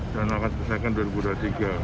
dan akan diselesaikan dua ribu dua puluh tiga